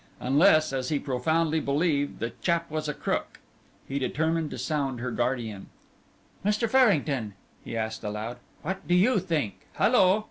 unless, as he profoundly believed, the chap was a crook. He determined to sound her guardian. "Mr. Farrington," he asked aloud, "what do you think hallo!"